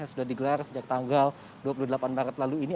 yang sudah digelar sejak tanggal dua puluh delapan maret lalu ini